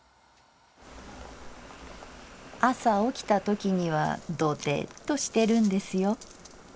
「朝起きたときにはドテッとしてるんですよ。